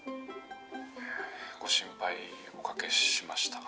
「ご心配おかけしました」